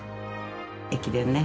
駅伝ね。